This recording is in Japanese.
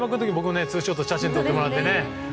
ツーショット写真を撮ってもらって。